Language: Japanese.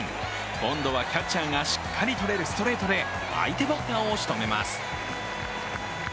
今度はキャッチャーがしっかりとれるストレートで相手バッターをしとめます。